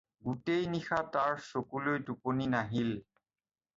গোটেই নিশা তাৰ চকুলৈ টোপনি নাহিল।